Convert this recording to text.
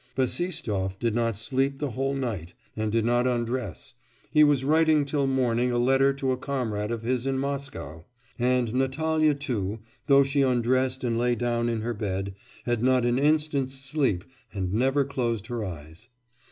Bassistoff did not sleep the whole night and did not undress he was writing till morning a letter to a comrade of his in Moscow; and Natalya, too, though she undressed and lay down in her bed, had not an instant's sleep and never closed her eyes.